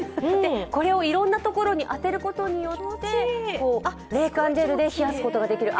これをいろんなところに当てることによって冷感ジェルで冷やすことができる。